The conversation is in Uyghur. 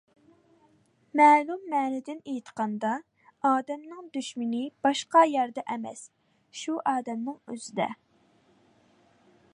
مەلۇم مەنىدىن ئېيتقاندا، ئادەمنىڭ دۈشمىنى باشقا يەردە ئەمەس، شۇ ئادەمنىڭ ئۆزىدە.